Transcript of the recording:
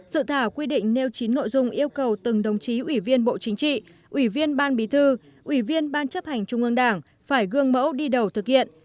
dự thảo quy định nêu chín nội dung yêu cầu từng đồng chí ủy viên bộ chính trị ủy viên ban bí thư ủy viên ban chấp hành trung ương đảng phải gương mẫu đi đầu thực hiện